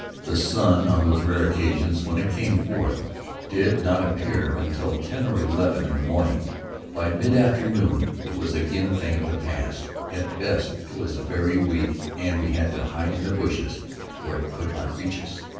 The sun, on those rare occasions when it came forth, did not appear until ten or eleven in the morning. By mid afternoon it was again a thing of the past. At best it was very weak and we had to hide in the bushes where it could not reach us.